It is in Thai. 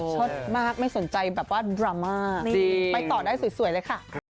ชอบมากไม่สนใจแบบว่าดราม่าไปต่อได้สวยเลยค่ะ